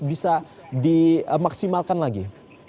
bisa dimaksimalkan lagi